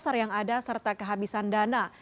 pasar yang ada serta kehabisan dana